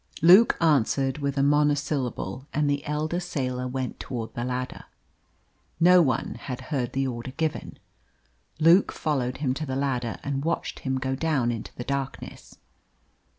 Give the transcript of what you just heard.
Luke answered with a monosyllable, and the elder sailor went towards the ladder. No one had heard the order given. Luke followed him to the ladder, and watched him go down into the darkness.